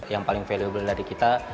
yang paling valuable dari kita